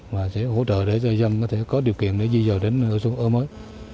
và sẽ hỗ trợ để cho dân có điều kiện để di dời đến ở mới